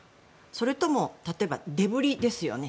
それとも例えばデブリですよね。